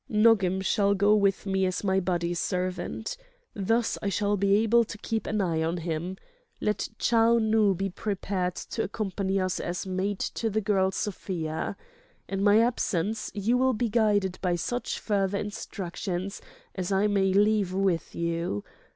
"Nogam shall go with me as my bodyservant. Thus I shall be able to keep an eye on him. Let Chou Nu be prepared to accompany us as maid to the girl Sofia. In my absence you will be guided by such further instructions as I may leave with you.